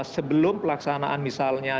sebelum pelaksanaan misalnya